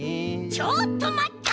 ちょっとまった！